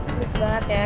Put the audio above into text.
gris banget ya